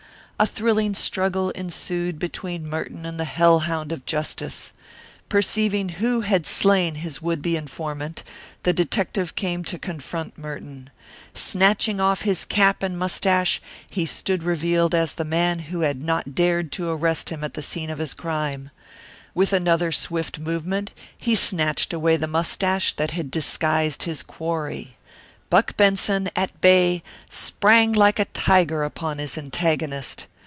A thrilling struggle ensued between Merton and the hellhound of justice. Perceiving who had slain his would be informant, the detective came to confront Merton. Snatching off his cap and mustache he stood revealed as the man who had not dared to arrest him at the scene of his crime. With another swift movement he snatched away the mustache that had disguised his quarry. Buck Benson, at bay, sprang like a tiger upon his antagonist.